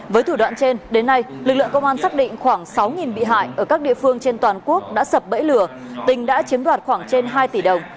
với thủ đoạn trên đến nay lực lượng công an xác định khoảng sáu bị hại ở các địa phương trên toàn quốc đã sập bẫy lừa tình đã chiếm đoạt khoảng trên hai tỷ đồng